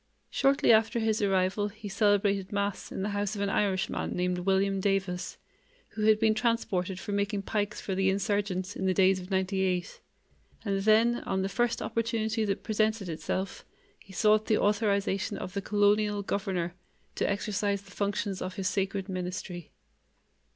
Shortly after his arrival he celebrated Mass in the house of an Irishman named William Davis, who had been transported for making pikes for the insurgents in the days of '98, and then, on the first opportunity that presented itself, he sought the authorization of the colonial governor to exercise the functions of his sacred ministry.